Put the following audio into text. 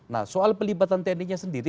nah soal pelibatan tni nya sendiri